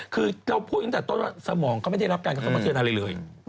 คือเราพูดตั้งแต่ต้นว่าสมองเขาไม่ได้รับการกระทบกระเทือนอะไรเลย